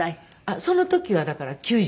その時はだから９０ですね。